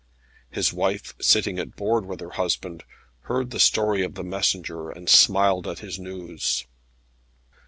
His wife, sitting at board with her husband, heard the story of the messenger, and smiled at his news.